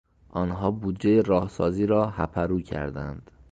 آنها بودجهی راهسازی را هپرو کردند.